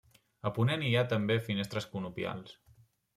A ponent hi ha també finestres conopials.